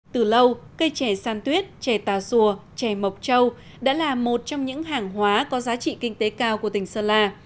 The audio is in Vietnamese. từ lâu cây trè san tuyết trè tà xùa trè mộc trâu đã là một trong những hàng hóa có giá trị kinh tế cao của tỉnh sơn la